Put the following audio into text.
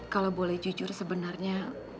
kalau boleh jujur sebenarnya